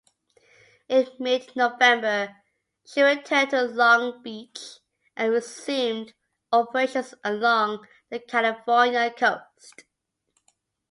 In mid-November, she returned to Long Beach and resumed operations along the California coast.